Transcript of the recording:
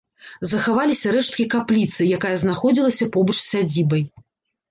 Захаваліся рэшткі капліцы, якая знаходзілася побач з сядзібай.